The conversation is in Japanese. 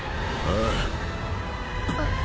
ああ。